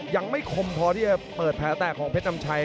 ยังไม่คมพอที่จะเปิดแผลแตกของเพชรนำชัย